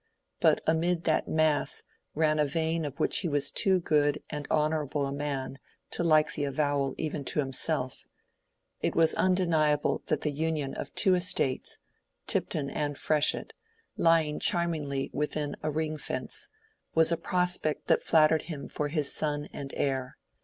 But amid that mass ran a vein of which he was too good and honorable a man to like the avowal even to himself: it was undeniable that the union of the two estates—Tipton and Freshitt—lying charmingly within a ring fence, was a prospect that flattered him for his son and heir.